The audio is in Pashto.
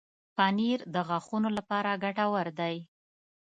پنېر د غاښونو لپاره ګټور دی.